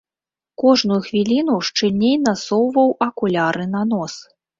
Кожную хвіліну шчыльней насоўваў акуляры на нос.